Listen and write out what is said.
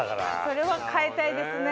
それは変えたいですね